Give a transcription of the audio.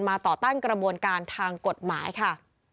ต่อต้านกระบวนการทางกฎหมายค่ะ